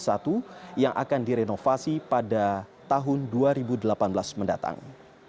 satu yang akan direnovasi pada tahun dua ribu delapan belas mendatang